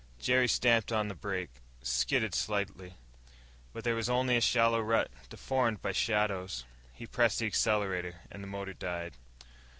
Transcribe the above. Jerry stamped on the brake, skidded slightly. But there was only a shallow rut, deformed by shadows. He pressed the accelerator ... and the motor died.